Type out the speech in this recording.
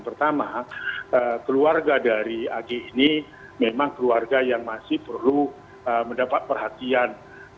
pertama keluarga dari ag ini memang keluarga yang masih perlu mendapat perhatian